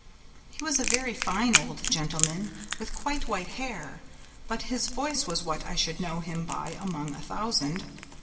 He was a very fine old gentleman with quite white hair, but his voice was what I should know him by among a thousand.